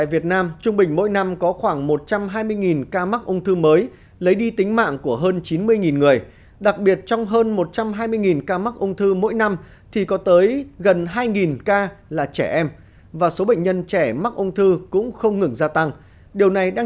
vì tương lai tránh triển nạn